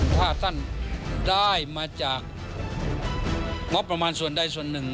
ถ้าท่านได้มาจากงบประมาณส่วนใดส่วนหนึ่ง